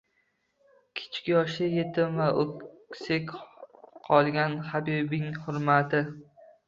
Kichik yoshda yetim va o'ksik qolgan Habibing hurmati.